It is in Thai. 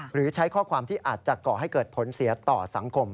หรือใช้ข้อความที่อาจจะก่อให้เกิดผลเสียต่อสังคม